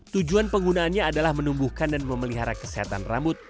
tujuan penggunaannya adalah menumbuhkan dan memelihara kesehatan rambut